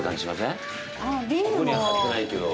ここには貼ってないけど。